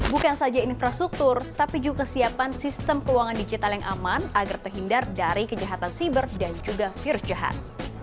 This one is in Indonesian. bukan saja infrastruktur tapi juga siapan sistem keuangan digital yang aman agar terhindar dari kejahatan siber dan juga virus jahat